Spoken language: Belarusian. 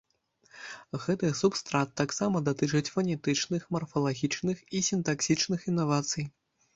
Гэты субстрат таксама датычыць фанетычных, марфалагічных і сінтаксічных інавацый.